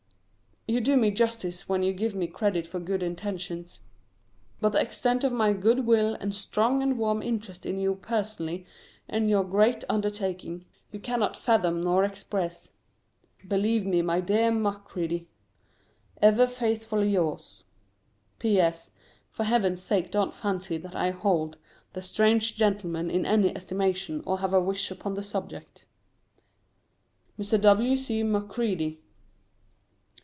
You do me justice when you give me credit for good intentions; but the extent of my good will and strong and warm interest in you personally and your great undertaking, you cannot fathom nor express. Believe me, my dear Macready, Ever faithfully yours. P.S. For Heaven's sake don't fancy that I hold "The Strange Gentleman" in any estimation, or have a wish upon the subject. [Sidenote: Mr. W. C Macready.